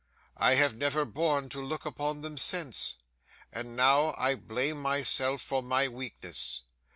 "I have never borne to look upon them since, and now I blame myself for my weakness.